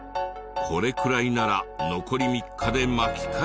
これくらいなら残り３日で巻き返せる。